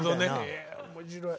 え面白い。